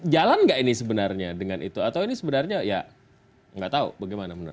jalan gak ini sebenarnya dengan itu atau ini sebenarnya ya gak tau bagaimana